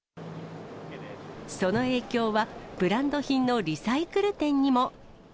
その影響は、ブランド品のリサイクル店にも。